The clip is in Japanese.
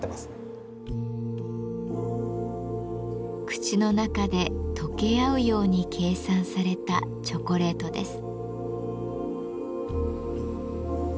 口の中で溶け合うように計算されたチョコレートです。